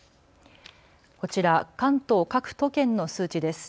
こちら関東各都県の数値です。